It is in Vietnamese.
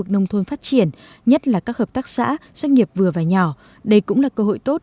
nông thôn phát triển nhất là các hợp tác xã doanh nghiệp vừa và nhỏ đây cũng là cơ hội tốt